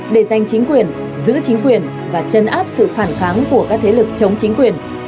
để giành chính quyền giữ chính quyền và chấn áp sự phản kháng của các thế lực chống chính quyền